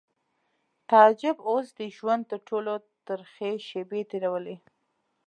تعجب اوس د ژوند تر ټولو ترخې شېبې تېرولې